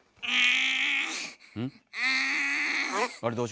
あ。